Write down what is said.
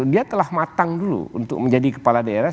dia telah matang dulu untuk menjadi kepala daerah